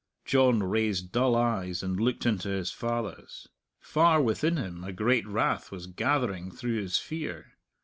John raised dull eyes and looked into his father's. Far within him a great wrath was gathering through his fear.